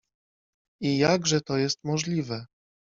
„I jakże to jest możliwe?”.